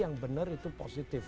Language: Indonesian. yang benar itu positif